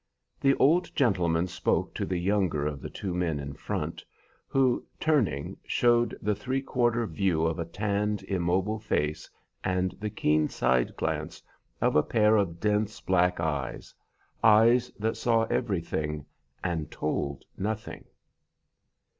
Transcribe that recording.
The old gentleman spoke to the younger of the two men in front, who, turning, showed the three quarter view of a tanned, immobile face and the keen side glance of a pair of dense black eyes, eyes that saw everything and told nothing.